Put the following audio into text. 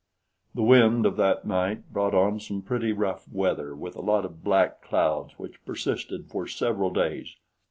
The wind of that night brought on some pretty rough weather with a lot of black clouds which persisted for several days.